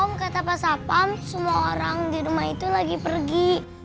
om kata pak sapam semua orang di rumah itu lagi pergi